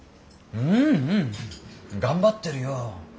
うんうん頑張ってるよ。